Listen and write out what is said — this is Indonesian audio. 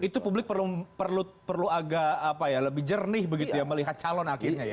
itu publik perlu agak lebih jernih begitu ya melihat calon akhirnya ya